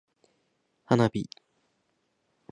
花火